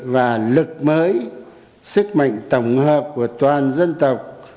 và lực mới sức mạnh tổng hợp của toàn dân tộc